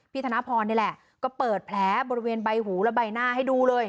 ธนพรนี่แหละก็เปิดแผลบริเวณใบหูและใบหน้าให้ดูเลย